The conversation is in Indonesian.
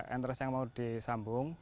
entres yang mau disambung